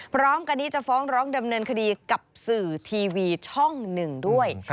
พร้อมกันนี้จะฟ้องร้องดำเนินคดีกับสื่อทีวีช่องหนึ่งด้วย